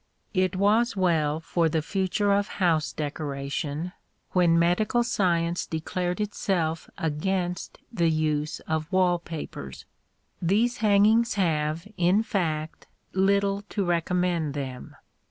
It was well for the future of house decoration when medical science declared itself against the use of wall papers. These hangings have, in fact, little to recommend them.